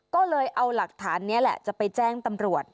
ก็เลยเอาหลักฐานนี้แหละจะไปแจ้งตำรวจ